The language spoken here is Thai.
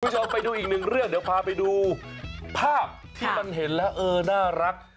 คุณผู้ชมไปดูอีกหนึ่งเรื่องเดี๋ยวพาไปดูภาพที่มันเห็นแล้วเออน่ารัก